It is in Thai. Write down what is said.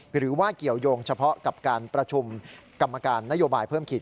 หรือว่าเกี่ยวยงเฉพาะกับการประชุมกรรมการนโยบายเพิ่มขีด